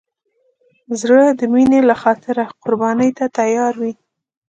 زړه د مینې له خاطره قرباني ته تیار وي.